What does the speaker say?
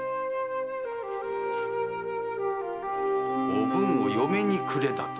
「おぶんを嫁にくれ」だと？